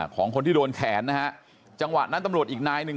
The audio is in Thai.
ของคนที่โดนแขนนะฮะจังหวะนั้นตำรวจอีกนายหนึ่ง